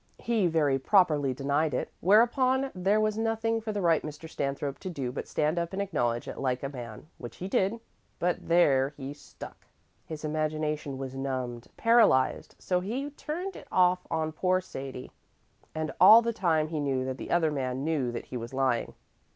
He very properly denied it, whereupon there was nothing for the right Mr. Stanthrope to do but stand up and acknowledge it like a man, which he did; but there he stuck. His imagination was numbed, paralyzed; so he turned it off on poor Sadie, and all the time he knew that the other man knew that he was lying.